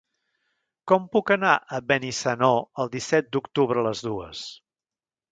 Com puc anar a Benissanó el disset d'octubre a les dues?